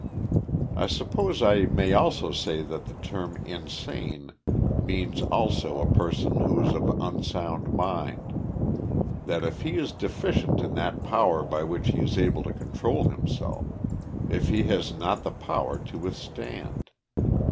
'' I suppose I may also say that the term insane means also a person who is of unsound mind. That if he is deficient in that power by which he is able to control himself ; if he has not the power to withstand.